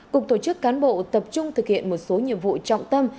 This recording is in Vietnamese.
cục tổ chức cán bộ tập trung thực hiện một số nhiệm vụ trọng tâm